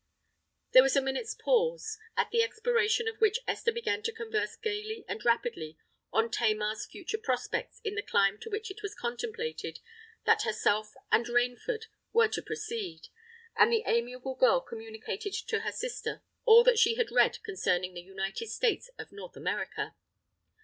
There was a minute's pause, at the expiration of which Esther began to converse gaily and rapidly on Tamar's future prospects in the clime to which it was contemplated that herself and Rainford were to proceed; and the amiable girl communicated to her sister all that she had read concerning the United States of North America.